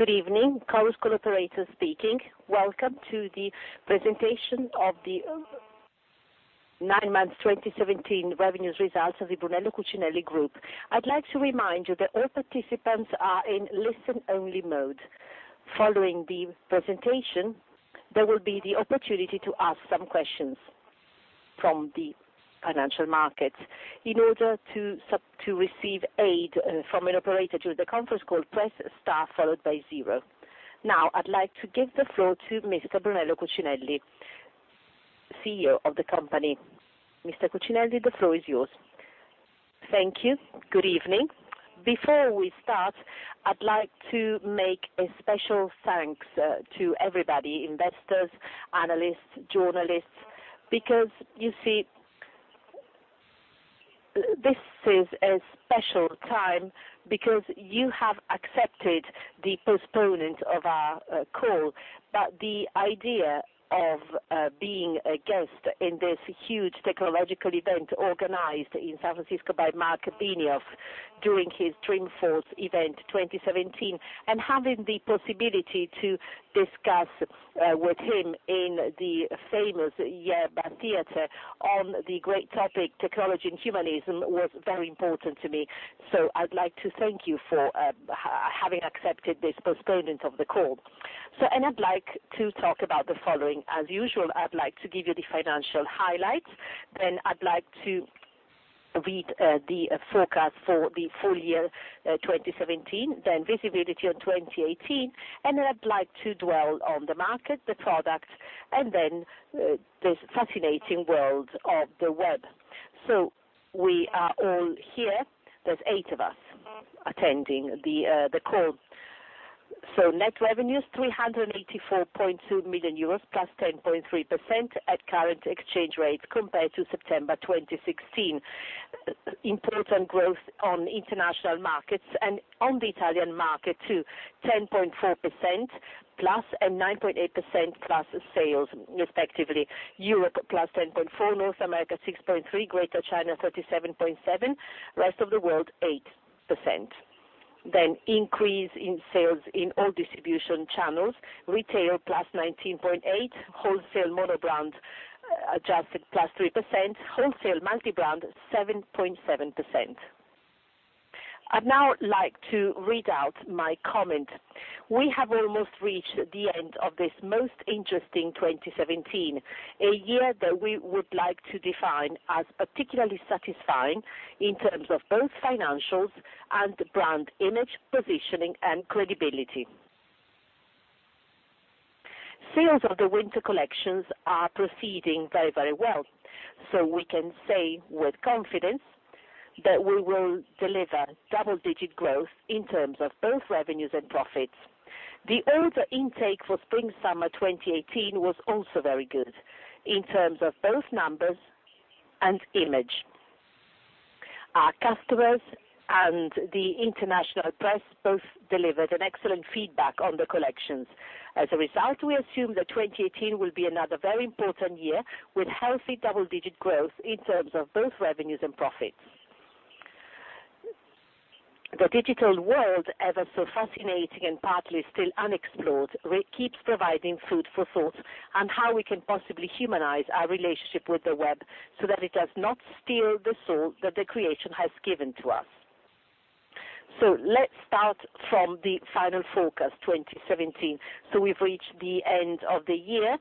Good evening. Chorus Call operator speaking. Welcome to the presentation of the nine months 2017 revenues results of the Brunello Cucinelli Group. I'd like to remind you that all participants are in listen only mode. Following the presentation, there will be the opportunity to ask some questions from the financial markets. In order to receive aid from an operator through the conference call, press star followed by zero. Now, I'd like to give the floor to Mr. Brunello Cucinelli, CEO of the company. Mr. Cucinelli, the floor is yours. Thank you. Good evening. Before we start, I'd like to make a special thanks to everybody, investors, analysts, journalists, because you see, this is a special time because you have accepted the postponement of our call. The idea of being a guest in this huge technological event organized in San Francisco by Marc Benioff during his Dreamforce event 2017, and having the possibility to discuss with him in the famous Yerba Theater on the great topic, technology and humanism, was very important to me. I'd like to thank you for having accepted this postponement of the call. I'd like to talk about the following. As usual, I'd like to give you the financial highlights, then I'd like to read the forecast for the full year 2017, then visibility on 2018, and then I'd like to dwell on the market, the product, and then this fascinating world of the web. We are all here. There's eight of us attending the call. Net revenues, 384.2 million euros, plus 10.3% at current exchange rate compared to September 2016. Important growth on international markets and on the Italian market too, 10.4% plus and 9.8% plus sales, respectively. Europe, plus 10.4, North America, 6.3, Greater China, 37.7, rest of the world, 8%. Increase in sales in all distribution channels. Retail, plus 19.8, wholesale mono-brand, adjusted plus 3%, wholesale multi-brand, 7.7%. I'd now like to read out my comment. We have almost reached the end of this most interesting 2017, a year that we would like to define as particularly satisfying in terms of both financials and brand image, positioning and credibility. Sales of the winter collections are proceeding very well. We can say with confidence that we will deliver double-digit growth in terms of both revenues and profits. The order intake for spring/summer 2018 was also very good in terms of both numbers and image. Our customers and the international press both delivered an excellent feedback on the collections. We assume that 2018 will be another very important year with healthy double-digit growth in terms of both revenues and profits. The digital world, ever so fascinating and partly still unexplored, keeps providing food for thought on how we can possibly humanize our relationship with the web so that it does not steal the soul that the creation has given to us. Let's start from the final forecast, 2017. We've reached the end of the year.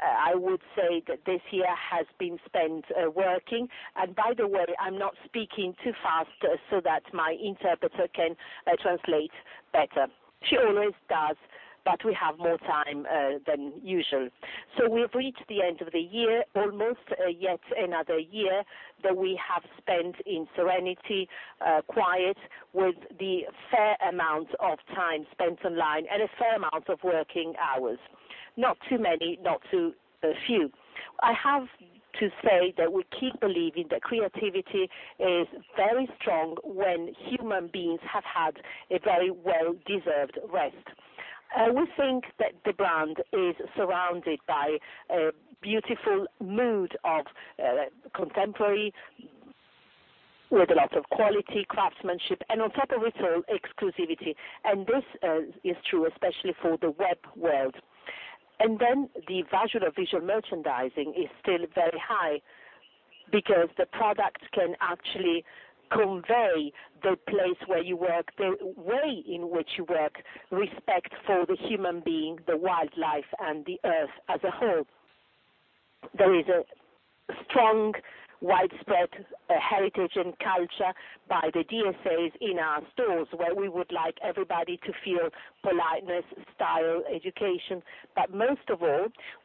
I would say that this year has been spent working. By the way, I'm not speaking too fast, so that my interpreter can translate better. She always does, but we have more time than usual. We've reached the end of the year, almost, yet another year that we have spent in serenity, quiet, with the fair amount of time spent online and a fair amount of working hours. Not too many, not too few. I have to say that we keep believing that creativity is very strong when human beings have had a very well-deserved rest. We think that the brand is surrounded by a beautiful mood of contemporary, with a lot of quality, craftsmanship, and on top of it all, exclusivity. This is true, especially for the web world. The value of visual merchandising is still very high because the products can actually convey the place where you work, the way in which you work, respect for the human being, the wildlife and the earth as a whole. There is a strong widespread heritage and culture by the SAs in our stores, where we would like everybody to feel politeness, style, education.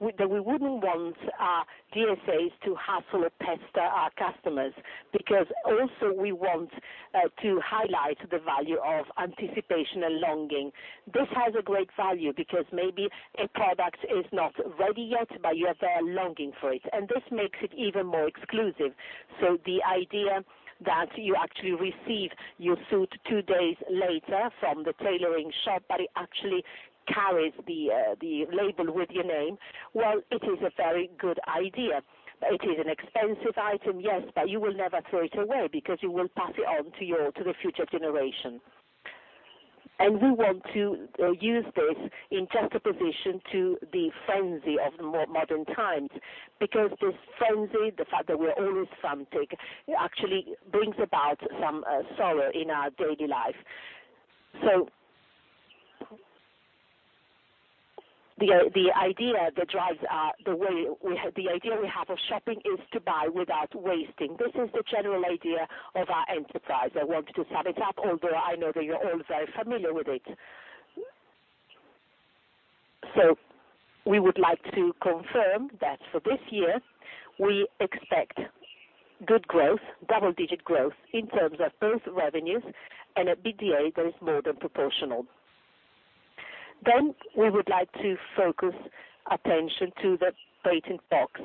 We wouldn't want our SAs to hassle or pester our customers, because also we want to highlight the value of anticipation and longing. This has a great value because maybe a product is not ready yet, but you have a longing for it, and this makes it even more exclusive. The idea that you actually receive your suit two days later from the tailoring shop, but it carries the label with your name. Well, it is a very good idea. It is an expensive item, yes, but you will never throw it away because you will pass it on to the future generation. We want to use this in juxtaposition to the frenzy of modern times, because this frenzy, the fact that we're always frantic, actually brings about some sorrow in our daily life. The idea that drives our, the way we have of shopping is to buy without wasting. This is the general idea of our enterprise. I want to sum it up, although I know that you're all very familiar with it. We would like to confirm that for this year, we expect good growth, double-digit growth, in terms of both revenues and EBITDA that is more than proportional. We would like to focus attention to the patent box.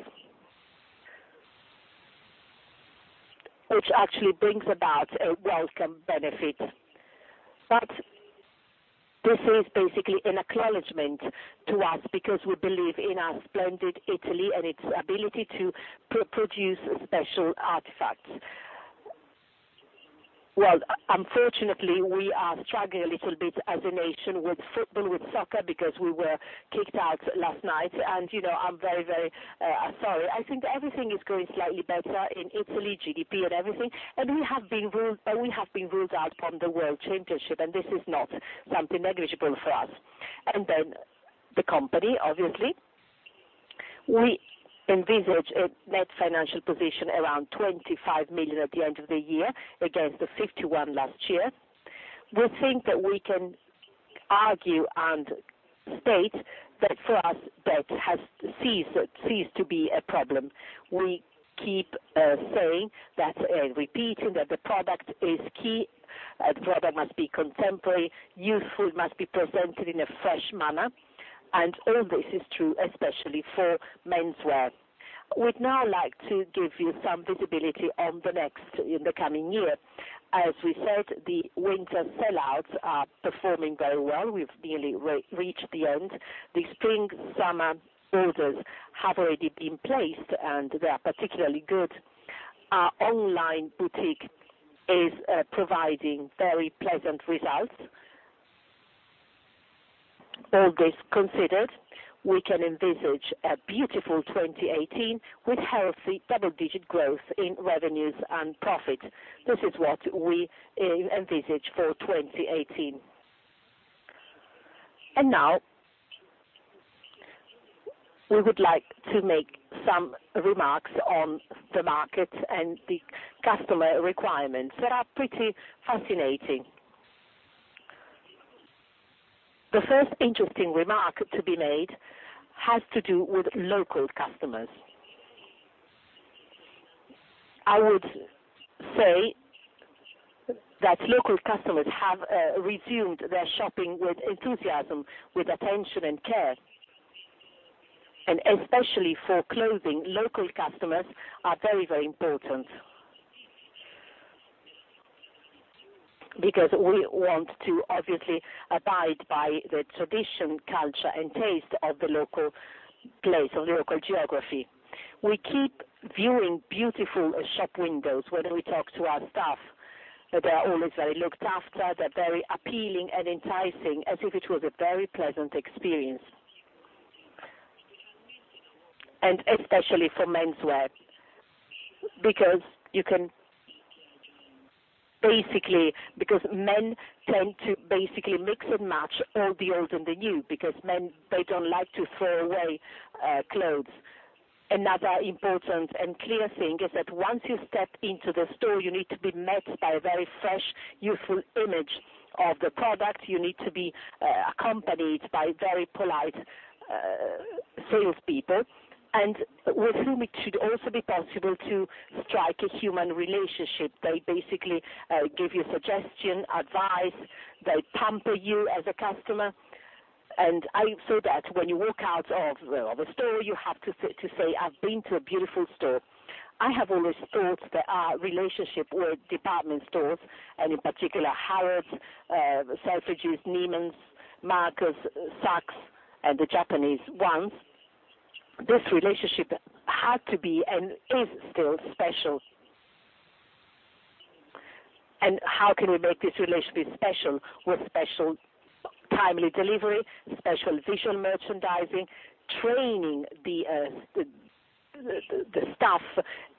Which actually brings about a welcome benefit. This is basically an acknowledgement to us because we believe in our splendid Italy and its ability to produce special artifacts. Unfortunately, we are struggling a little bit as a nation with football, with soccer, because we were kicked out last night and, you know, I'm very sorry. I think everything is going slightly better in Italy, GDP and everything, and we have been ruled out from the World Championship, and this is not something negligible for us. The company, obviously. We envisage a net financial position around 25 million at the end of the year against the 51 last year. We think that we can argue and state that for us, debt has ceased to be a problem. We keep saying that repeating that the product is key. The product must be contemporary, youthful. It must be presented in a fresh manner, and all this is true, especially for menswear. We'd now like to give you some visibility on the next, in the coming year. As we said, the winter sell-outs are performing very well. We've nearly re-reached the end. The spring/summer orders have already been placed, and they are particularly good. Our online boutique is providing very pleasant results. All this considered, we can envisage a beautiful 2018 with healthy double-digit growth in revenues and profit. This is what we envisage for 2018. Now We would like to make some remarks on the market and the customer requirements that are pretty fascinating. The first interesting remark to be made has to do with local customers. I would say that local customers have resumed their shopping with enthusiasm, with attention and care. Especially for clothing, local customers are very important. We want to obviously abide by the tradition, culture and taste of the local place, of the local geography. We keep viewing beautiful shop windows when we talk to our staff. They are always very looked after. They're very appealing and enticing, as if it was a very pleasant experience. Especially for menswear, because men tend to basically mix and match all the old and the new, because men, they don't like to throw away clothes. Another important and clear thing is that once you step into the store, you need to be met by a very fresh, youthful image of the product. You need to be accompanied by very polite salespeople, and with whom it should also be possible to strike a human relationship. They basically give you suggestion, advice. They pamper you as a customer. So that when you walk out of the store, you have to say, "I've been to a beautiful store." I have always thought that our relationship with department stores and in particular Harrods, Selfridges, Neiman Marcus, Saks, and the Japanese ones, this relationship had to be and is still special. How can we make this relationship special? With special, timely delivery, special visual merchandising, training the staff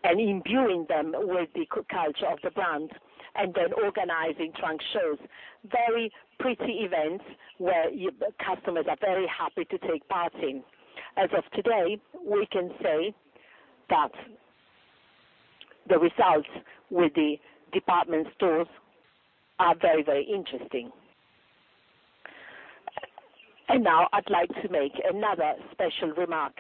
and imbuing them with the culture of the brand, and then organizing trunk shows. Very pretty events where customers are very happy to take part in. As of today, we can say that the results with the department stores are very, very interesting. Now I'd like to make another special remark.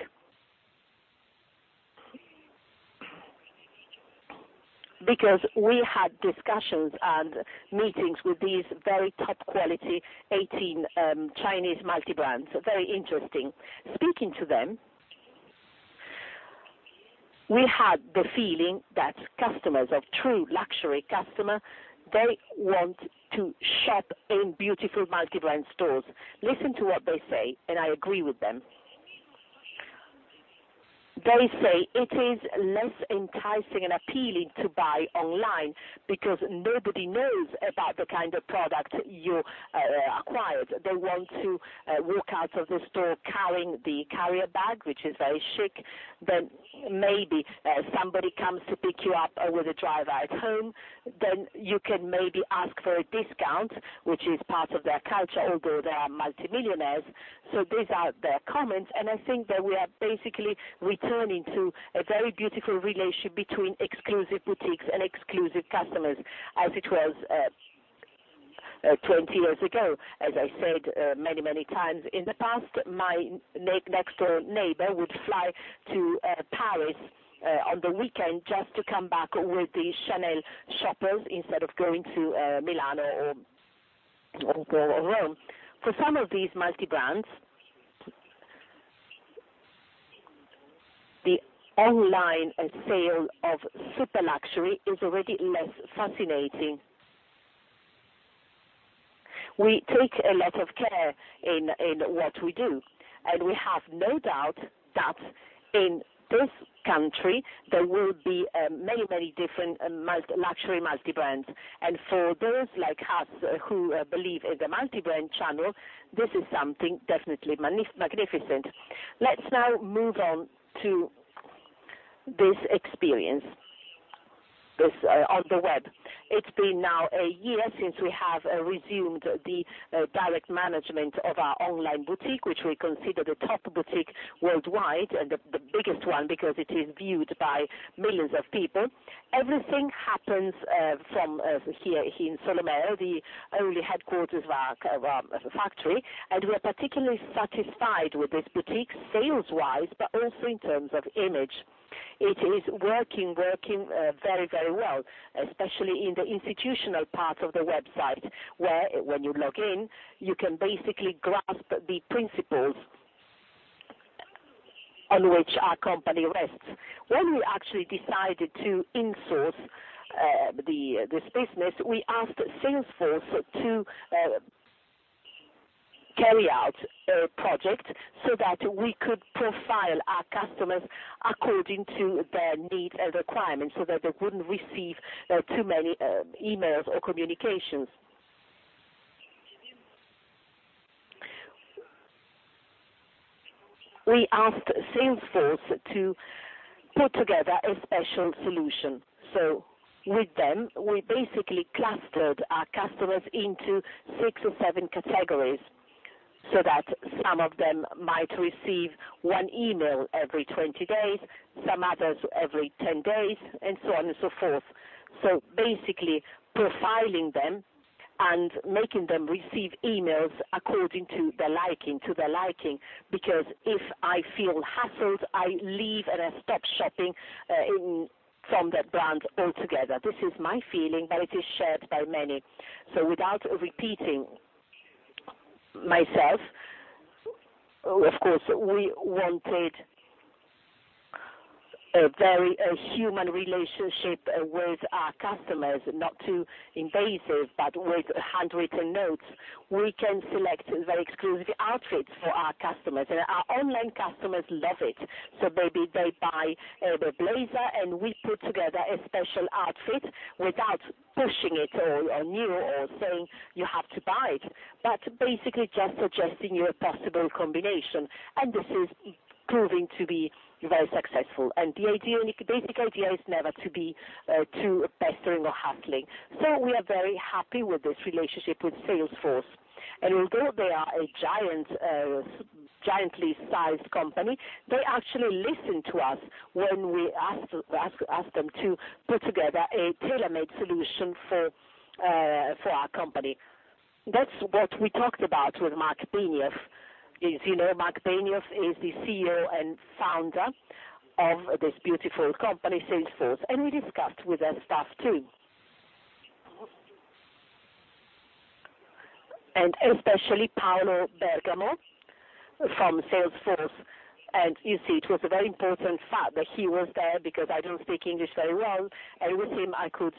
Because we had discussions and meetings with these very top quality 18 Chinese multi-brands. Very interesting. We had the feeling that customers, our true luxury customer, they want to shop in beautiful multibrand stores. Listen to what they say, and I agree with them. They say it is less enticing and appealing to buy online because nobody knows about the kind of product you acquired. They want to walk out of the store carrying the carrier bag, which is very chic. Maybe somebody comes to pick you up, or with a driver at home. You can maybe ask for a discount, which is part of their culture, although they are multimillionaires. Those are their comments, and I think that we are basically returning to a very beautiful relationship between exclusive boutiques and exclusive customers as it was 20 years ago. As I said, many times in the past, my next door neighbor would fly to Paris on the weekend just to come back with the Chanel shoppers instead of going to Milan or Rome. For some of these multibrands, the online sale of super luxury is already less fascinating. We take a lot of care in what we do, and we have no doubt that in this country, there will be many different luxury multibrands. For those like us who believe in the multibrand channel, this is something definitely magnificent. Let's now move on to this experience, this on the web. It's been now one year since we have resumed the direct management of our online boutique, which we consider the top boutique worldwide, and the biggest one, because it is viewed by millions of people. Everything happens from here in Solomeo, the early headquarters of our factory. We are particularly satisfied with this boutique sales-wise but also in terms of image. It is working very well, especially in the institutional part of the website, where when you log in, you can basically grasp the principles on which our company rests. When we actually decided to insource this business, we asked Salesforce to carry out a project, so that we could profile our customers according to their needs and requirements, so that they wouldn't receive too many emails or communications. We asked Salesforce to put together a special solution. With them, we basically clustered our customers into six or seven categories, so that some of them might receive one email every 20 days, some others every 10 days, and so on and so forth. Basically profiling them and making them receive emails according to their liking. Because if I feel hassled, I leave and I stop shopping from that brand altogether. This is my feeling, but it is shared by many. Without repeating myself, of course, we wanted a very human relationship with our customers, not too invasive, but with handwritten notes. We can select very exclusive outfits for our customers, and our online customers love it. Maybe they buy the blazer, and we put together a special outfit without pushing it on you or saying you have to buy it, but basically just suggesting you a possible combination. This is proving to be very successful. The idea, basic idea is never to be too pestering or hassling. We are very happy with this relationship with Salesforce. Although they are a giant, giantly sized company, they actually listen to us when we ask them to put together a tailor-made solution for our company. That's what we talked about with Marc Benioff. As you know, Marc Benioff is the CEO and founder of this beautiful company, Salesforce. We discussed with their staff, too. Especially Paolo Bergamo from Salesforce. You see, it was a very important fact that he was there because I don't speak English very well. With him, I could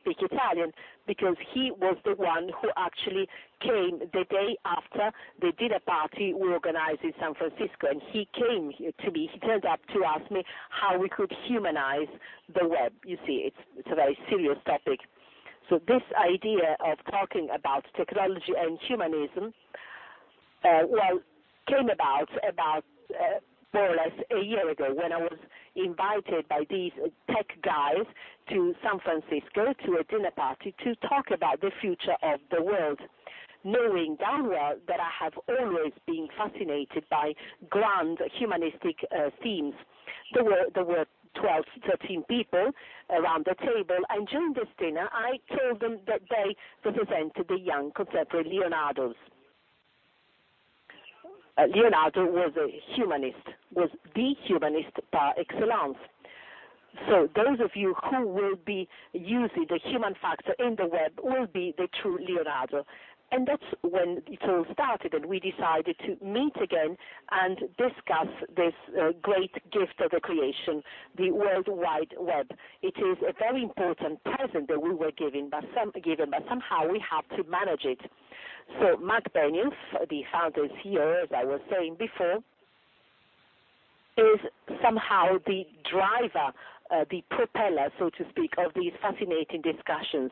speak Italian because he was the one who actually came the day after the dinner party we organized in San Francisco. He came to me. He turned up to ask me how we could humanize the web. You see, it's a very serious topic. This idea of talking about technology and humanism, well, came about more or less a year ago when I was invited by these tech guys to San Francisco to a dinner party to talk about the future of the world, knowing damn well that I have always been fascinated by grand humanistic themes. There were 12, 13 people around the table. During this dinner, I told them that they represented the young contemporary Leonardos. Leonardo was a humanist, was the humanist par excellence. Those of you who will be using the human factor in the web will be the true Leonardo. That's when it all started, and we decided to meet again and discuss this great gift of the creation, the World Wide Web. It is a very important present that we were given, but somehow we have to manage it. Marc Benioff, the founder and CEO, as I was saying before, is somehow the driver, the propeller, so to speak, of these fascinating discussions.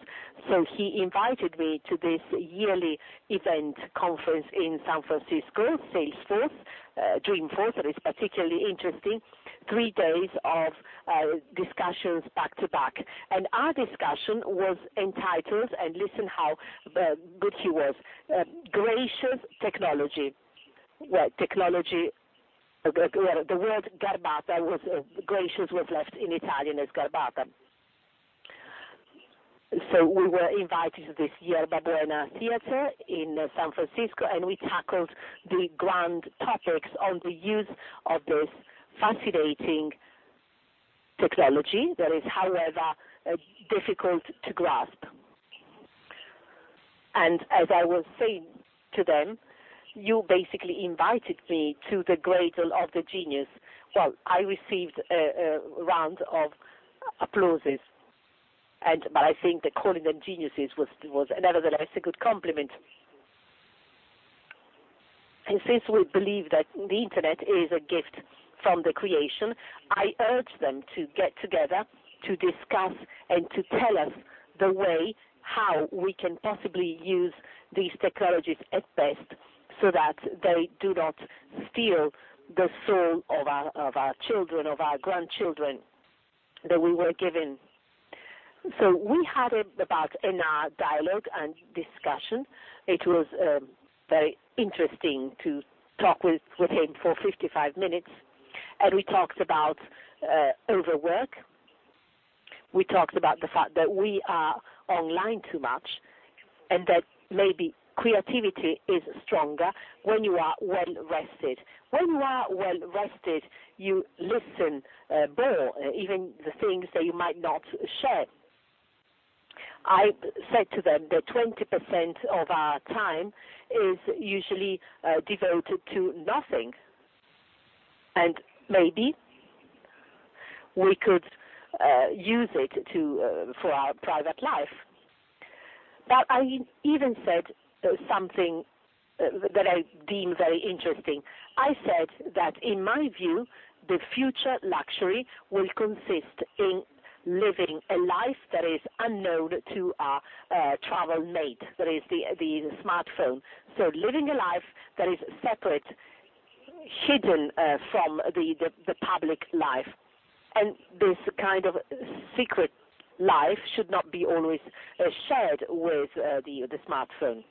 He invited me to this yearly event conference in San Francisco, Salesforce, Dreamforce, that is particularly interesting. Three days of discussions back-to-back. Our discussion was entitled, and listen how good he was, Gracious Technology. Technology, well, the word garbata was gracious was left in Italian as garbata. We were invited to this Yerba Buena theater in San Francisco, we tackled the grand topics on the use of this fascinating technology that is, however, difficult to grasp. As I was saying to them, "You basically invited me to the cradle of the genius." I received a round of applauses but I think that calling them geniuses was nevertheless a good compliment. Since we believe that the Internet is a gift from the Creation, I urge them to get together to discuss and to tell us the way how we can possibly use these technologies at best, so that they do not steal the soul of our children, of our grandchildren, that we were given. We had about an hour dialogue and discussion. It was very interesting to talk with him for 55 minutes, and we talked about overwork. We talked about the fact that we are online too much, and that maybe creativity is stronger when you are well-rested. When you are well-rested, you listen more, even the things that you might not share. I said to them that 20% of our time is usually devoted to nothing, and maybe we could use it to for our private life. I even said something that I deem very interesting. I said that in my view, the future luxury will consist in living a life that is unknown to our travel mate. That is the smartphone. Living a life that is separate, hidden from the public life, and this kind of secret life should not be always shared with the smartphone.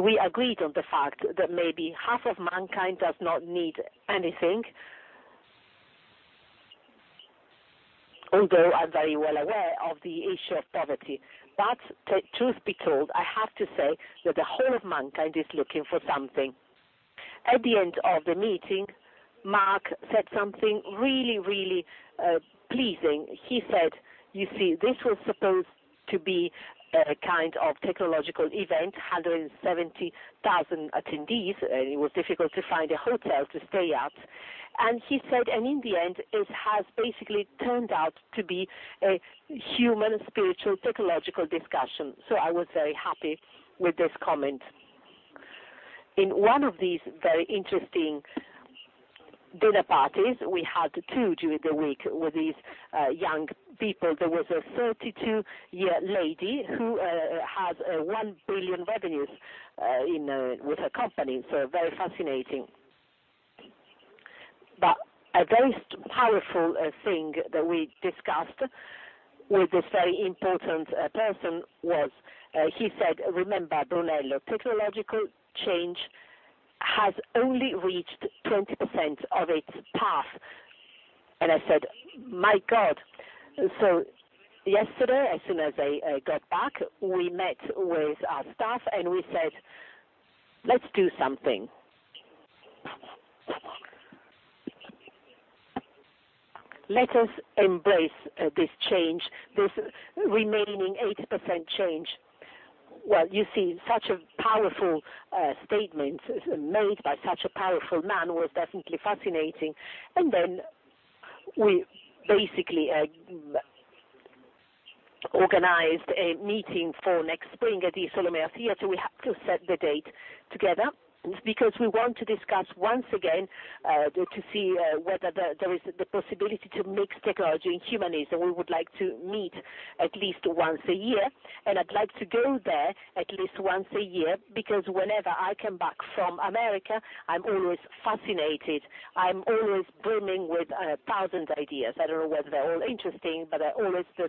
We agreed on the fact that maybe half of mankind does not need anything. Although I'm very well aware of the issue of poverty. Truth be told, I have to say that the whole of mankind is looking for something. At the end of the meeting, Marc said something really pleasing. He said, "You see, this was supposed to be a kind of technological event, 170,000 attendees." It was difficult to find a hotel to stay at. He said, "And in the end, it has basically turned out to be a human, spiritual, technological discussion." I was very happy with this comment. In one of these very interesting dinner parties, we had two during the week with these young people. There was a 32-year lady who had 1 billion revenues in with her company, so very fascinating. A very powerful thing that we discussed with this very important person was, he said, "Remember, Brunello, technological change has only reached 20% of its path." I said, "My God." Yesterday, as soon as I got back, we met with our staff, and we said, "Let's do something. Let us embrace this change, this remaining 80% change." You see, such a powerful statement made by such a powerful man was definitely fascinating. We basically organized a meeting for next spring at the Solomeo Theater. We have to set the date together because we want to discuss once again, to see whether there is the possibility to mix technology and humanism. We would like to meet at least once a year, and I'd like to go there at least once a year because whenever I come back from America, I'm always fascinated. I'm always brimming with 1,000 ideas. I don't know whether they're all interesting, but there's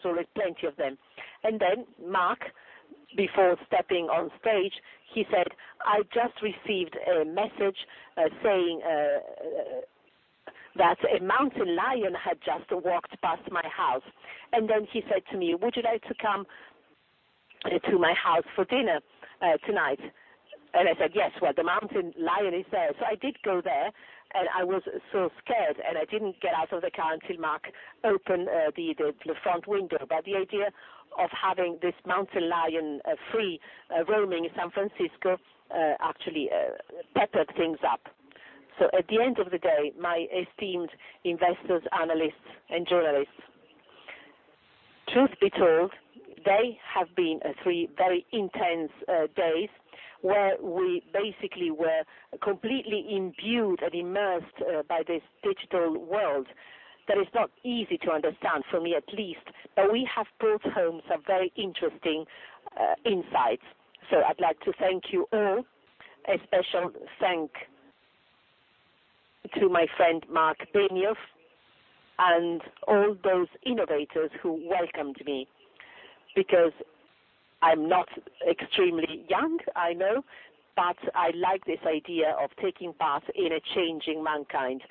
always plenty of them. Marc, before stepping on stage, he said, "I just received a message saying that a mountain lion had just walked past my house." He said to me, "Would you like to come to my house for dinner tonight?" I said, "Yes, well, the mountain lion is there." I did go there, and I was so scared, and I didn't get out of the car until Marc opened the front window. The idea of having this mountain lion, free, roaming in San Francisco, actually, peppered things up. At the end of the day, my esteemed investors, analysts, and journalists, truth be told, they have been three very intense days where we basically were completely imbued and immersed by this digital world that is not easy to understand, for me at least. We have brought home some very interesting insights. I'd like to thank you all. A special thank to my friend, Marc Benioff, and all those innovators who welcomed me because I'm not extremely young, I know, but I like this idea of taking part in a changing mankind.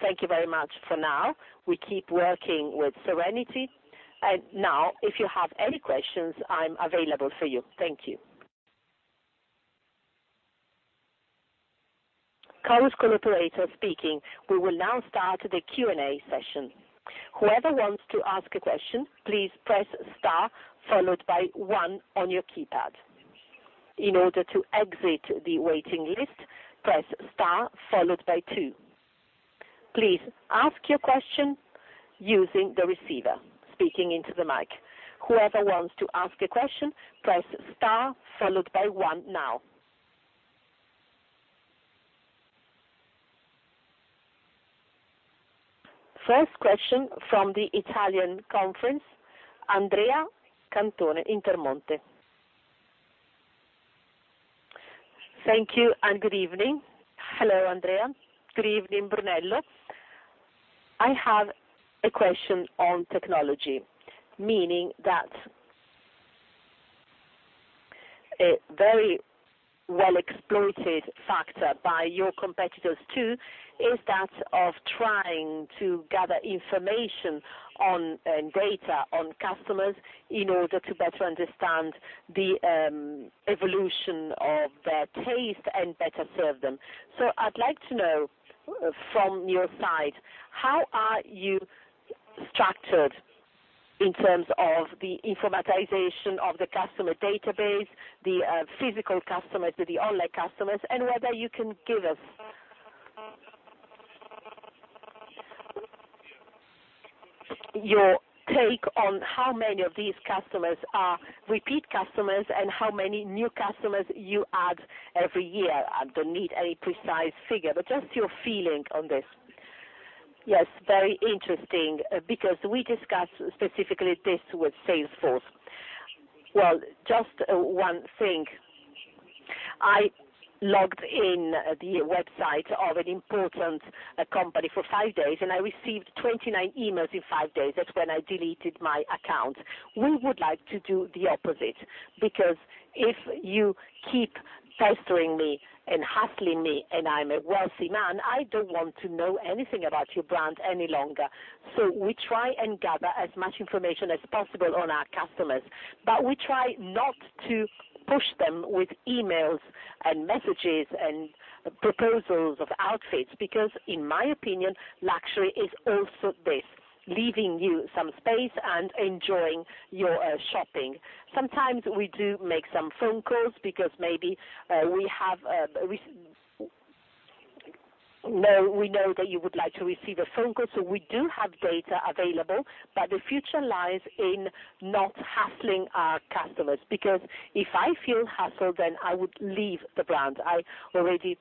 Thank you very much for now. We keep working with serenity. If you have any questions, I'm available for you. Thank you. Chorus Call operator speaking. We will now start the Q&A session. Whoever wants to ask a question, please press star followed by one on your keypad. In order to exit the waiting list, press star followed by two. Please ask your question using the receiver, speaking into the mic. Whoever wants to ask a question, press star followed by one now. First question from the Italian conference, Andrea Randone, Intermonte. Thank you, and good evening. Hello, Andrea. Good evening, Brunello. I have a question on technology, meaning that a very well-exploited factor by your competitors, too, is that of trying to gather information on, and data on customers in order to better understand the evolution of their taste and better serve them. I'd like to know from your side, how are you structured in terms of the informatization of the customer database, the physical customers with the online customers, and whether you can give us your take on how many of these customers are repeat customers and how many new customers you add every year. I don't need any precise figure, but just your feeling on this. Very interesting because we discussed specifically this with Salesforce. Just one thing. I logged in the website of an important company for five days, and I received 29 emails in five days. That's when I deleted my account. We would like to do the opposite because if you keep pestering me and hustling me, and I'm a wealthy man, I don't want to know anything about your brand any longer. We try and gather as much information as possible on our customers, but we try not to push them with emails and messages and proposals of outfits because, in my opinion, luxury is also this, leaving you some space and enjoying your shopping. Sometimes we do make some phone calls because maybe we have, we know that you would like to receive a phone call, so we do have data available. The future lies in not hustling our customers because if I feel hustled, then I would leave the brand. I already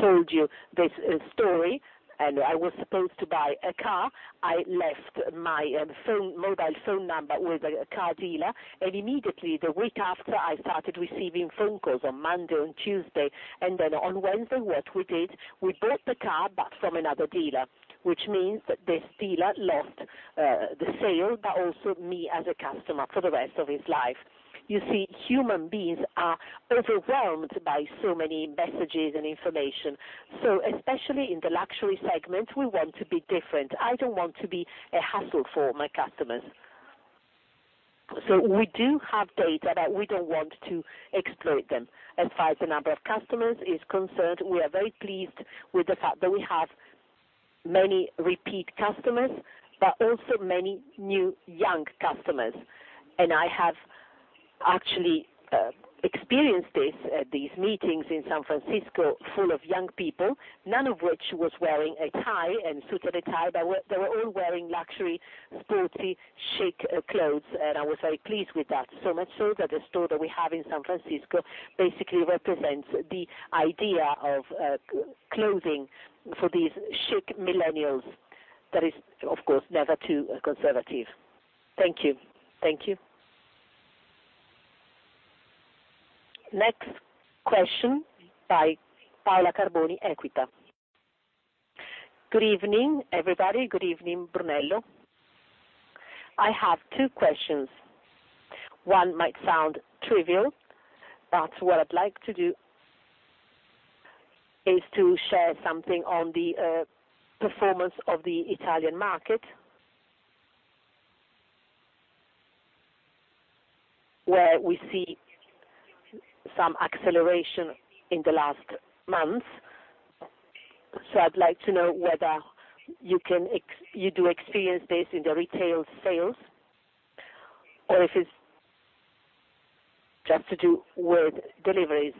told you this story, and I was supposed to buy a car. I left my phone, mobile phone number with a car dealer. Immediately the week after, I started receiving phone calls on Monday, on Tuesday. On Wednesday, what we did, we bought the car but from another dealer, which means this dealer lost the sale, but also me as a customer for the rest of his life. You see, human beings are overwhelmed by so many messages and information. Especially in the luxury segment, we want to be different. I don't want to be a hassle for my customers. We do have data, but we don't want to exploit them. As far as the number of customers is concerned, we are very pleased with the fact that we have many repeat customers, but also many new young customers. I have actually experienced this at these meetings in San Francisco full of young people, none of which was wearing a tie and suit and a tie, but they were all wearing luxury, sporty, chic clothes, and I was very pleased with that. Much so that the store that we have in San Francisco basically represents the idea of clothing for these chic millennials that is, of course, never too conservative. Thank you. Thank you. Next question by Paola Carboni, Equita. Good evening, everybody. Good evening, Brunello. I have two questions. One might sound trivial, but what I'd like to do is to share something on the performance of the Italian market, where we see some acceleration in the last months. I'd like to know whether you do experience this in the retail sales or if it's just to do with deliveries.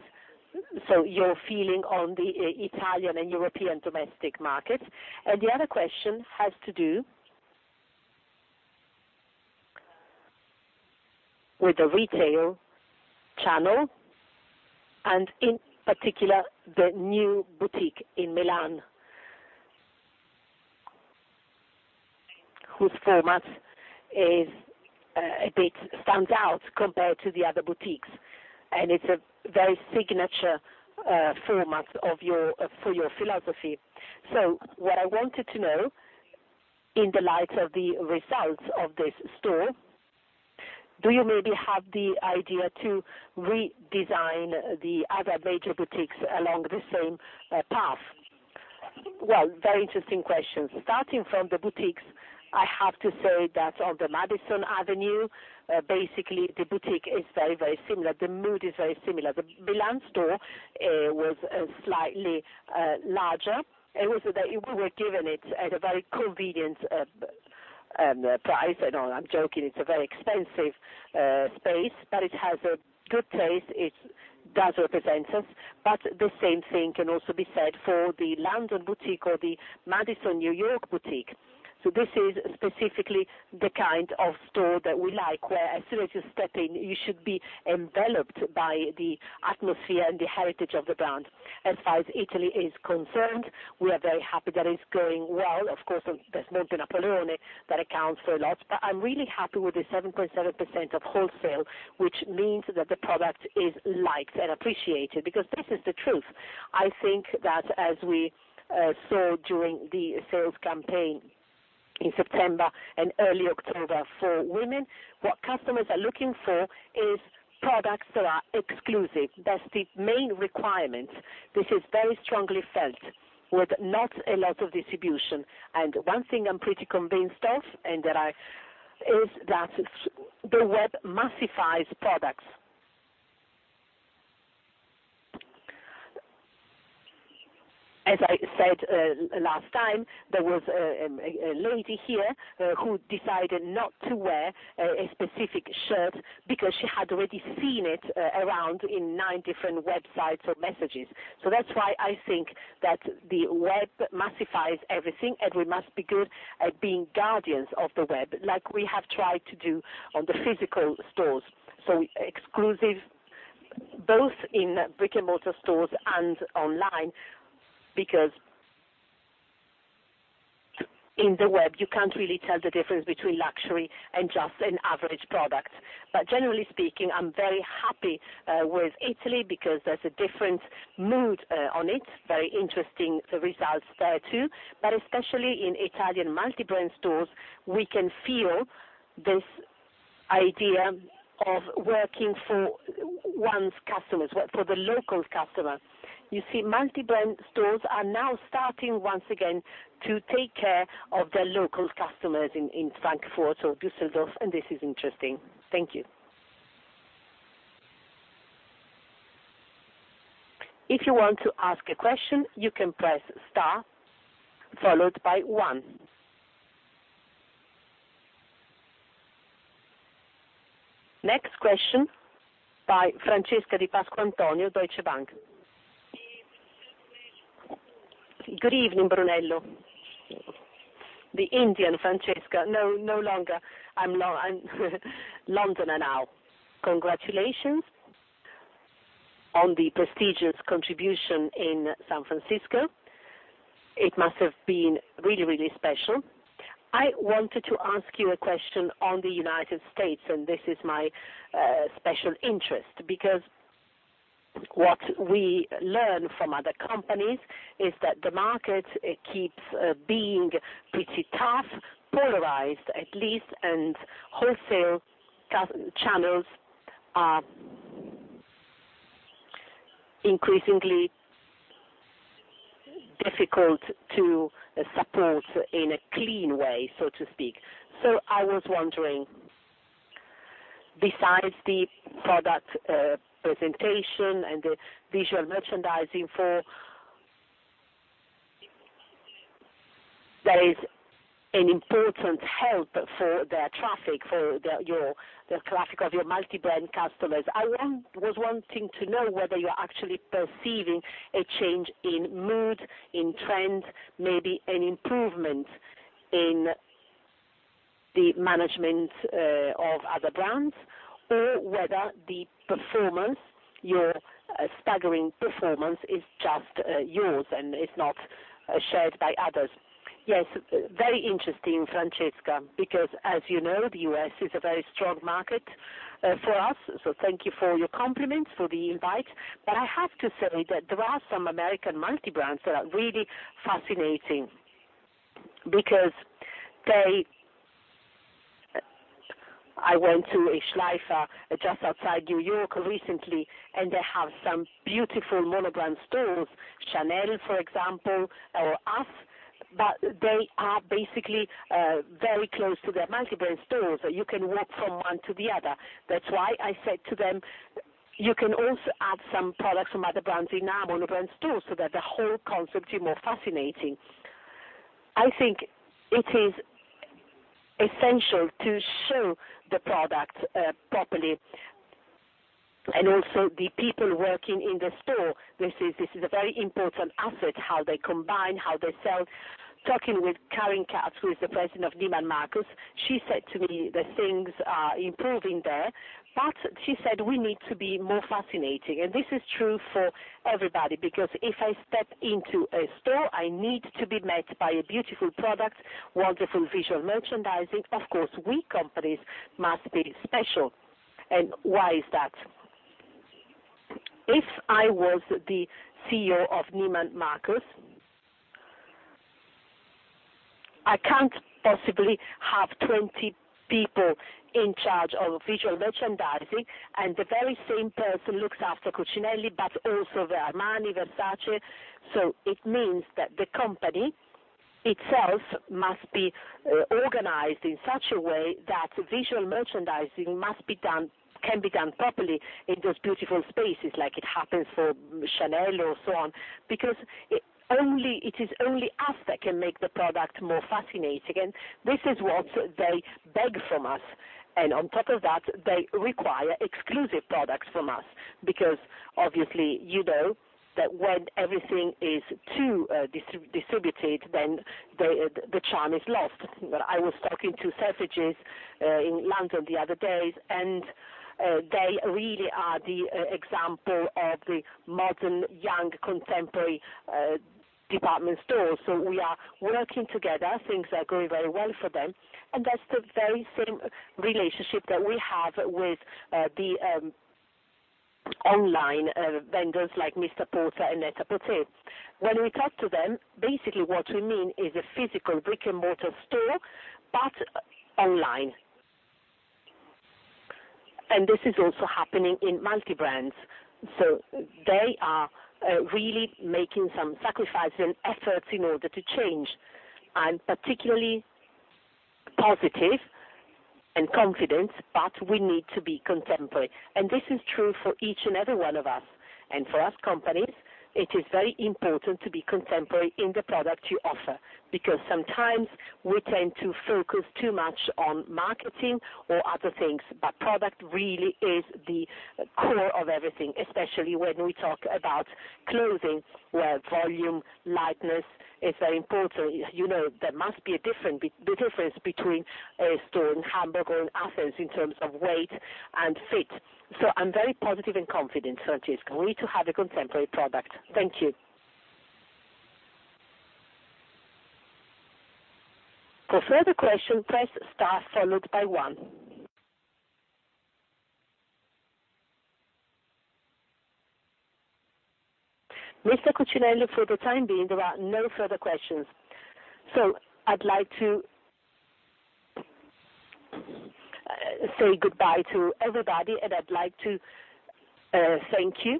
Your feeling on the Italian and European domestic markets. The other question has to do with the retail channel and in particular, the new boutique in Milan, whose format stands out compared to the other boutiques, and it's a very signature format for your philosophy. What I wanted to know, in the light of the results of this store, do you maybe have the idea to redesign the other major boutiques along the same path? Well, very interesting questions. Starting from the boutiques, I have to say that on the Madison Avenue, basically the boutique is very similar. The mood is very similar. The Milan store was slightly larger. We were given it at a very convenient price. No, I'm joking. It's a very expensive space, but it has a good taste. It does represent us. The same thing can also be said for the London boutique or the Madison, N.Y. boutique. This is specifically the kind of store that we like, where as soon as you step in, you should be enveloped by the atmosphere and the heritage of the brand. As far as Italy is concerned, we are very happy that it's going well. Of course, there's Montenapoleone that accounts for a lot, but I'm really happy with the 7.7% of wholesale, which means that the product is liked and appreciated because this is the truth. I think that as we saw during the sales campaign in September and early October for women, what customers are looking for is products that are exclusive. That's the main requirement. This is very strongly felt with not a lot of distribution. One thing I'm pretty convinced of, and that I is that the web massifies products. As I said, last time, there was a lady here who decided not to wear a specific shirt because she had already seen it around in nine different websites or messages. That's why I think that the web massifies everything, and we must be good at being guardians of the web, like we have tried to do on the physical stores. Exclusive, both in brick-and-mortar stores and online, because in the web, you can't really tell the difference between luxury and just an average product. Generally speaking, I'm very happy with Italy because there's a different mood on it. Very interesting, the results there, too. Especially in Italian multi-brand stores, we can feel this idea of working for one's customers, work for the local customers. You see, multi-brand stores are now starting once again to take care of their local customers in Frankfurt or Düsseldorf, and this is interesting. Thank you. If you want to ask a question, you can press star followed by one. Next question by Francesca Di Pasquantonio, Deutsche Bank. Good evening, Brunello. The Indian Francesca. No, no longer. I'm Londoner now. Congratulations on the prestigious contribution in San Francisco. It must have been really special. I wanted to ask you a question on the U.S., and this is my special interest because what we learn from other companies is that the market, it keeps being pretty tough, polarized, at least, and wholesale channels are increasingly difficult to support in a clean way, so to speak. I was wondering, besides the product presentation and the visual merchandising for That is an important help for their traffic, the traffic of your multi-brand customers. I was wanting to know whether you are actually perceiving a change in mood, in trend, maybe an improvement in the management of other brands, or whether the performance, your staggering performance, is just yours and is not shared by others. Yes. Very interesting, Francesca. As you know, the U.S. is a very strong market for us. Thank you for your compliments, for the invite. I have to say that there are some American multi-brands that are really fascinating because I went to a Hirshleifers just outside New York recently, and they have some beautiful monobrand stores, Chanel, for example, or us, but they are basically very close to their multi-brand stores. You can walk from one to the other. That's why I said to them, "You can also add some products from other brands in our monobrand stores, so that the whole concept is more fascinating." I think it is essential to show the product properly, and also the people working in the store. This is a very important asset, how they combine, how they sell. Talking with Karen Katz, who is the president of Neiman Marcus, she said to me that things are improving there. She said we need to be more fascinating. This is true for everybody because if I step into a store, I need to be met by a beautiful product, wonderful visual merchandising. Of course, we companies must be special. Why is that? If I was the CEO of Neiman Marcus, I can't possibly have 20 people in charge of visual merchandising, and the very same person looks after Cucinelli, but also the Armani, Versace. It means that the company itself must be organized in such a way that visual merchandising can be done properly in those beautiful spaces, like it happens for Chanel or so on. It is only us that can make the product more fascinating, and this is what they beg from us. On top of that, they require exclusive products from us because obviously, you know that when everything is too distributed, then the charm is lost. I was talking to Selfridges in London the other day, they really are the example of the modern, young, contemporary department store. We are working together. Things are going very well for them, and that's the very same relationship that we have with the online vendors like MR PORTER and NET-A-PORTER. When we talk to them, basically what we mean is a physical brick-and-mortar store, but online. This is also happening in multi-brands. They are really making some sacrifices and efforts in order to change. I'm particularly positive and confident, we need to be contemporary. This is true for each and every one of us. For us companies, it is very important to be contemporary in the product you offer because sometimes we tend to focus too much on marketing or other things. Product really is the core of everything, especially when we talk about clothing, where volume, lightness is very important. You know, there must be the difference between a store in Hamburg or in Athens in terms of weight and fit. I'm very positive and confident, Francesca. We need to have a contemporary product. Thank you. Mr. Cucinelli, for the time being, there are no further questions. I'd like to say goodbye to everybody, and I'd like to thank you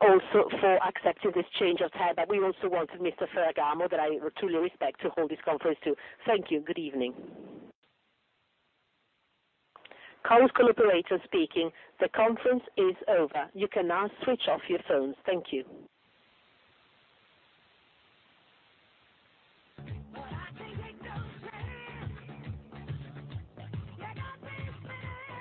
also for accepting this change of time. We also wanted Mr. Ferragamo, that I truly respect, to hold this conference, too. Thank you. Good evening. Chorus call operator speaking. The conference is over, you can now switch off your phones. Thank you